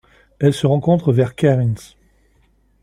Elle se rencontre vers Cairns.